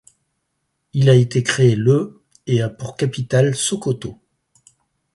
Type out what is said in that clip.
Il a été créé le et a pour capitale Sokoto.